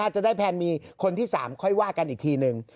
จะได้แพลนมีคนที่๓ค่อยว่ากันอีกทีนึง